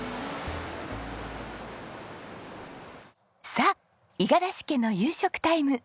さあ五十嵐家の夕食タイム。